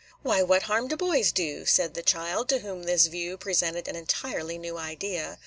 "Why, what harm do boys do?" said the child, to whom this view presented an entirely new idea.